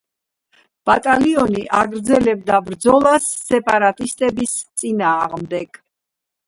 ბატალიონი აგრძელებდა ბრძოლას სეპარატისტების წინააღმდეგ.